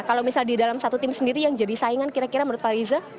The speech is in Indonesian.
kalau misalnya di dalam satu tim sendiri yang jadi saingan kira kira menurut fariza